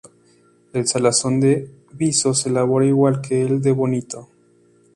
El salazón de viso se elabora igual que el de bonito.